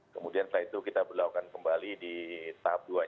kemudian setelah itu kita berlakukan kembali di tahap dua